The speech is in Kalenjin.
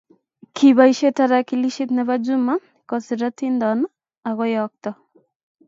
Kiboisie tarakilishit ne bo Juma koser atindon akuyookto.